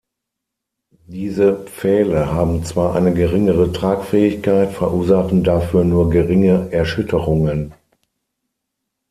Diese Pfähle haben zwar eine geringere Tragfähigkeit, verursachen dafür nur geringe Erschütterungen.